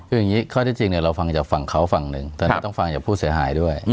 คืออย่างนี้ข้อที่จริงเราฟังจากฝั่งเขาฝั่งหนึ่งแต่ก็ต้องฟังจากผู้เสียหายด้วย